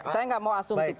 saya tidak mau asumtif